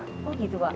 oh gitu pak